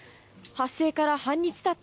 発生から半日たった